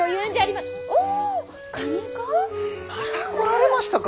また来られましたか。